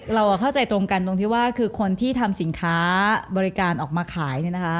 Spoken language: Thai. เราเข้าใจตรงกันตรงที่ว่าคือคนที่ทำสินค้าบริการออกมาขาย